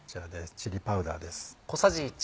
チリパウダーです。